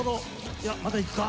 いやまだいくか。